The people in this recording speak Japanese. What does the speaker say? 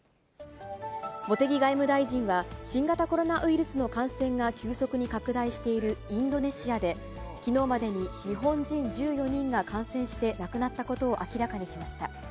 茂木外務大臣は、新型コロナウイルスの感染が急速に拡大しているインドネシアで、きのうまでに日本人１４人が感染して亡くなったことを明らかにしました。